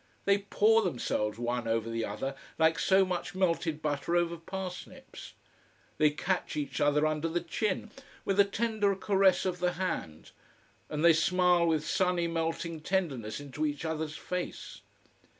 They pour themselves one over the other like so much melted butter over parsnips. They catch each other under the chin, with a tender caress of the hand, and they smile with sunny melting tenderness into each other's face.